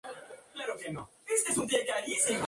Se le considera el padre del periodismo filipino.